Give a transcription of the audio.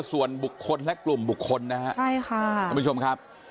ส่วนบุคคลและกลุ่มบุคคลนะฮะคุณผู้ชมครับ